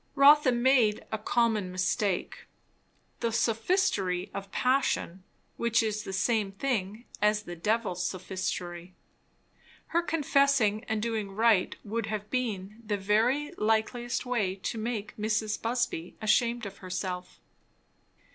Rotha made a common mistake, the sophistry of passion, which is the same thing as the devil's sophistry. Her confessing and doing right, would have been the very likeliest way to make Mrs. Busby ashamed of herself.